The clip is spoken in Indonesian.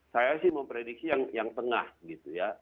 saya sih mau prediksi yang tengah gitu ya